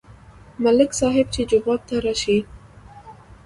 ملک صاحب چې جومات ته راشي.